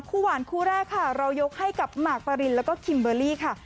คู่หวานคู่แรกค่ะเรายกให้กับหมากปรินแล้วก็คิมเบอร์รี่ค่ะ